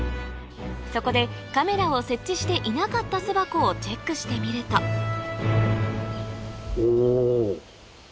そこでカメラを設置していなかったしてみるとお。